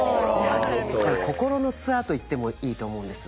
心のツアーと言ってもいいと思うんです。